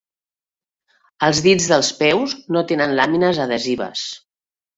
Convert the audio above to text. Els dits dels peus no tenen làmines adhesives.